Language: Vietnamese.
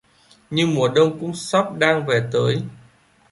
Như mùa Đông cũng sắp đang về tới